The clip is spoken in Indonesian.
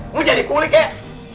mau jadi kulik kek